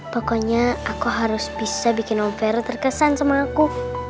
pokoknya aku harus bisa bikin novera terkesan sama aku